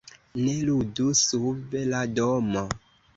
Ne ludu sub la domo!